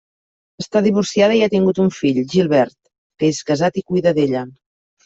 Està divorciada i ha tingut un fill, Gilbert, que és casat i cuida d’ella.